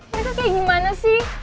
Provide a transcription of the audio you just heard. mereka kayak gimana sih